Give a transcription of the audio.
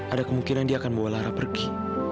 ada kemungkinan dia akan membawa lara pergi